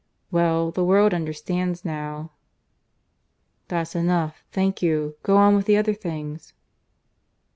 Well, the world understands now " "That's enough, thank you. Go on with the other things."